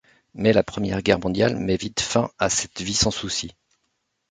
Mais la Première Guerre mondiale met vite fin à cette vie sans souci.